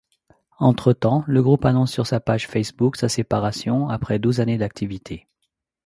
Entre-temps, le groupe annonce sur sa page Facebook sa séparation après douze années d'activité.